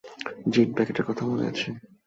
জিন জ্যাকেটের কথা মনে আছে?